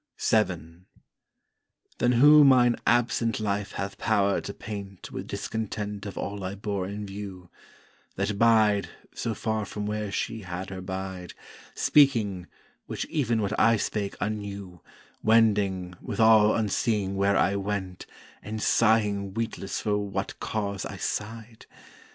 VII Then who mine absent Life hath power to paint Wi' discontent of all I bore in view; That Bide, so far from where she had her Bide, Speaking, which even what I spake unknew, Wending, withal unseeing where I went, And sighing weetless for what cause I sigh'd?